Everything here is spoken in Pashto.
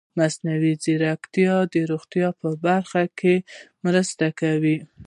مصنوعي ځیرکتیا د روغتیا په برخه کې مرسته کوي.